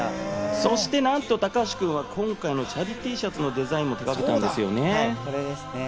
そして、なんと高橋君は今回のチャリＴシャツのデザインも手がけてるんですよね。